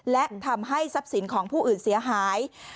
และทำให้ทรัพย์สินของผู้อื่นเสียหาย